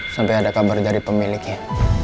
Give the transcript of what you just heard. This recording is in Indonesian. sampai ada kabar dari pemiliknya